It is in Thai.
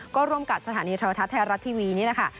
ก็ร่วมกับสถานีทะเลาทัศน์ไทยรัฐทีวีนี่นะคะ